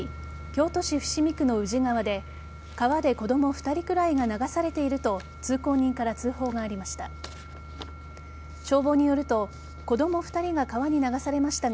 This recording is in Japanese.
京都市伏見区の宇治川で川で子供２人くらいが流されていると通行人から通報がありました。